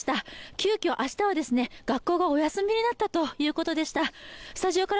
急きょ、明日は学校がお休みになったということでした。